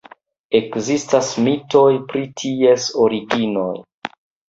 Ekzistas mitoj pri ties originoj.